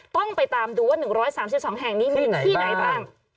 ต้องไปตามดูว่า๑๓๒แห่งนี้มีที่ไหนบ้าง